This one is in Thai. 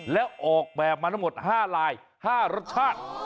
แล้วออกแบบมาผ้าลาย๕รสชาติ